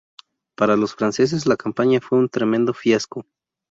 Para los franceses la campaña fue un tremendo fiasco.